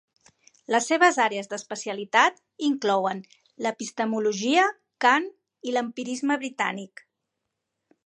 Les seves àrees d'especialitat inclouen l'epistemologia, Kant i l'empirisme britànic.